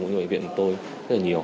cũng như bệnh viện của tôi rất là nhiều